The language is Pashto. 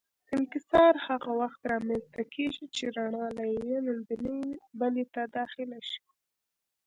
انکسار هغه وخت رامنځته کېږي چې رڼا له یوې منځنۍ بلې ته داخله شي.